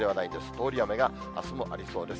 通り雨があすもありそうです。